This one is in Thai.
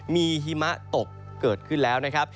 มีหิมะตกเกิดขึ้นแล้วนะครับ